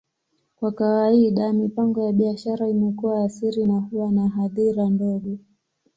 Kwa kawaida, mipango ya biashara imekuwa ya siri na huwa na hadhira ndogo.